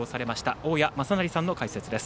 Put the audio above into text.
大矢正成さんの解説です。